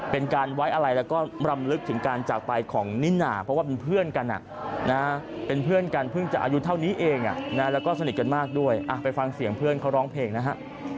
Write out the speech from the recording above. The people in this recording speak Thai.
เป็นเพื่อนกันเพิ่งจะอายุเท่านี้เองแล้วก็สนิทกันมากด้วยไปฟังเสียงเพื่อนเขาร้องเพลงนะฮะ